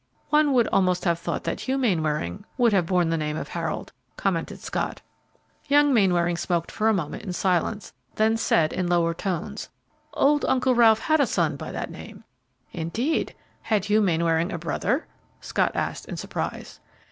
"One would almost have thought that Hugh Mainwaring would have borne the name of Harold," commented Scott. Young Mainwaring smoked for a moment in silence, then said, in lower tones, "Old Uncle Ralph had a son by that name." "Indeed! Had Hugh Mainwaring a brother?" Scott asked in surprise.